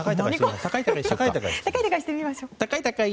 高い高いしてみましょう。